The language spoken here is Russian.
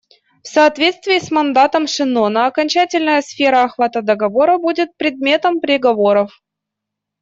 В соответствии с мандатом Шеннона окончательная сфера охвата договора будет предметом переговоров.